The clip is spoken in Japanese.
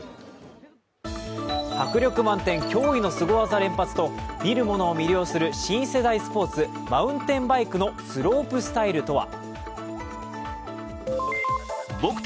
迫力満点、驚異のすご技連発と見る者を魅了する新世代スポーツ、マウンテンバイクのスロープスタイルとは？